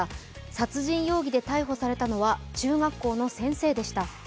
殺人容疑で逮捕されたのは中学校の先生でした。